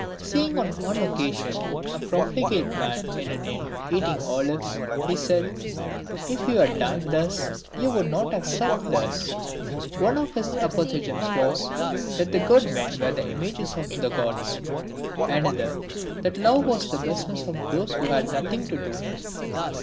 Seeing on one occasion a profligate man in an inn eating olives, he said, " If you had dined thus, you would not have supped thus." One of his apophthegms was, that good men were the images of the Gods ; another, that love was the business of those who had nothing to do.